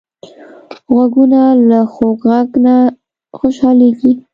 غوږونه له خوږ غږ نه خوشحالېږي